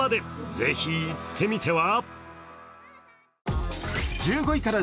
是非行ってみては？